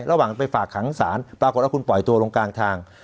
ระหว่างไปฝากขังศาลปรากฏว่าคุณปล่อยตัวลงกลางทาง